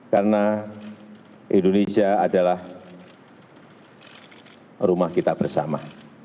karena indonesia adalah rumah kita bersama